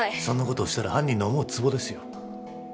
そんなことをしたら犯人の思うつぼですよ